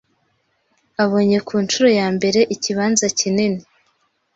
abonye ku ncuro ya mbere ikibanza kinini